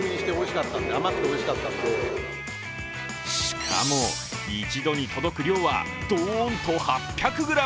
しかも、一度に届く量は、どーんと８００ｇ。